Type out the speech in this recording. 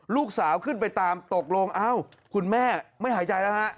ลูกสาวขึ้นไปตามตกลงเอ้าคุณแม่ไม่หายใจแล้วฮะ